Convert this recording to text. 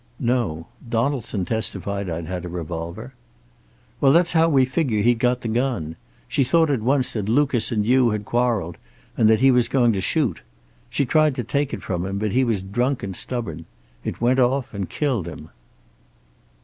"No. Donaldson testified I'd had a revolver." "Well, that's how we figure he'd got the gun. She thought at once that Lucas and you had quarreled, and that he was going to shoot. She tried to take it from him, but he was drunk and stubborn. It went off and killed him."